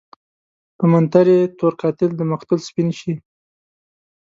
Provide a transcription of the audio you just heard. په منتر يې تور قاتل دمقتل سپين شي